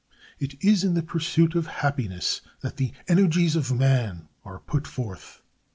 It is in the pursuit of happiness that the energies of man are put forth.